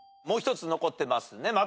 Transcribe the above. もう１つ残ってますね。